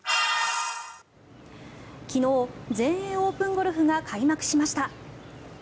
昨日、全英オープンゴルフが開幕しました。